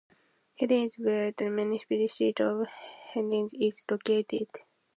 Handen is where the municipality seat of Haninge is located.